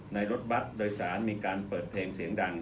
รถบัตรโดยสารมีการเปิดเพลงเสียงดัง